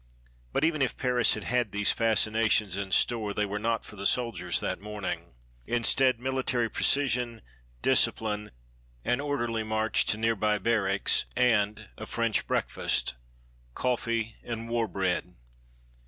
But even if Paris had had these fascinations in store, they were not for the soldiers that morning. Instead military precision, discipline, an orderly march to near by barracks, and a French breakfast: coffee and war bread.